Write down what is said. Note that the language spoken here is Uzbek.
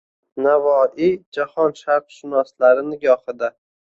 Navoiy jahon sharqshunoslari nigohida